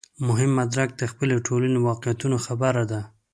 مهم مدرک د خپلې ټولنې واقعیتونو خبره ده.